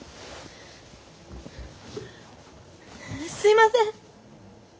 すいません！